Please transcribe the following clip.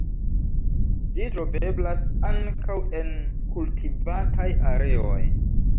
Ĝi troveblas ankaŭ en kultivataj areoj.